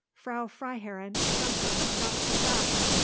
"Frau Freiherrinn, Junkern, not so fast.